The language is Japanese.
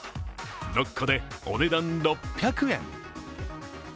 ６個でお値段６００円。